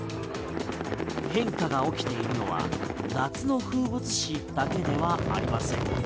変化が起きているのは夏の風物詩だけではありません。